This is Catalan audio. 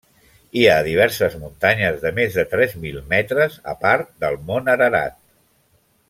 Hi ha diverses muntanyes de més de tres mil metres a part del Mont Ararat.